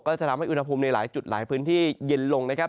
จะทำให้อุณหภูมิในหลายจุดหลายพื้นที่เย็นลงนะครับ